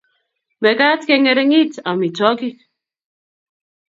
mekat keng'eringit amitwogik